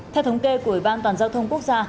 theo thống kê của ủy ban toàn giao thông quốc gia